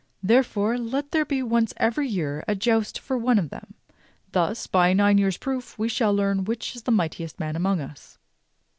Therefore, let there be once every year a joust for one of them. Thus by nine years' proof we shall learn which is the mightiest man among us."